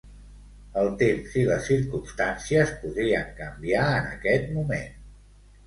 El temps i les circumstàncies podrien canviar en aquest moment.